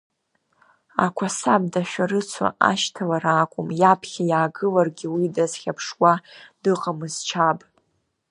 Ақәасаб дашәарыцо ашьҭалара акәым, иаԥхьа иаагыларгьы уи дазхьаԥшуа дыҟамызт Шьааб.